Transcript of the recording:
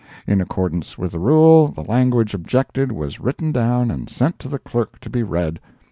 In accordance with the rule, the language objected was written down and sent to the Clerk to be read.